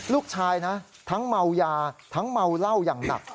ลูกชายนะทั้งเมายาทั้งเมาเหล้าอย่างหนัก